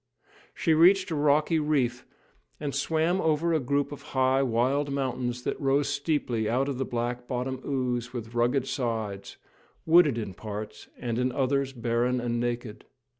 She reached a rocky reef, and swam over a group of high, wild mountains that rose steeply out of the black bottom ooze with rugged sides, wooded in parts, and in others barren and naked.